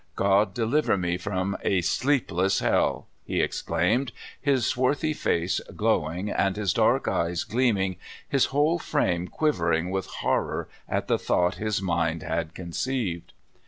God deliver me from a sleepless hell! " he exclaimed, his swarthy face glowing, and his dark eyes gleaming, his whole frame quivering with horror at the thought his mind had conceived.